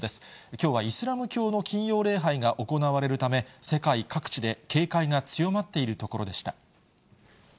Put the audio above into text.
きょうはイスラム教の金曜礼拝が行われるため、世界各地で警戒が強まっているところでした。